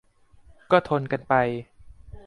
ก็ทนกันไป